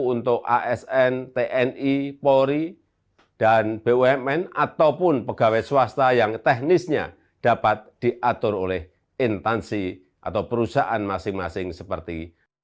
untuk asn tni polri dan bumn ataupun pegawai swasta yang teknisnya dapat diatur oleh intansi atau perusahaan masing masing seperti